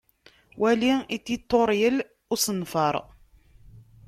Wali atiṭuryel n usenfaṛ.